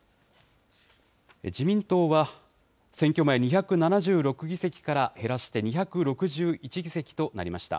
自民党は選挙前、２７６議席から減らして２６１議席となりました。